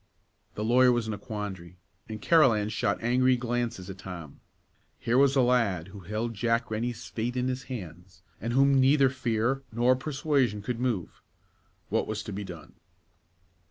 The lawyer was in a quandary, and Carolan shot angry glances at Tom. Here was a lad who held Jack Rennie's fate in his hands, and whom neither fear nor persuasion could move. What was to be done?